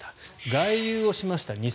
外遊をしました